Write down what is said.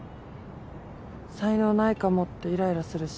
才能ないかもっていらいらするし。